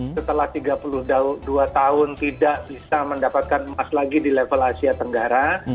setelah tiga puluh dua tahun tidak bisa mendapatkan emas lagi di level asia tenggara